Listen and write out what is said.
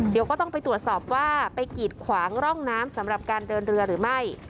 เดี๋ยวก็ต้องไปตรวจสอบว่าไปกีดขวางร่องน้ำสำหรับการเดินเรือหรือไม่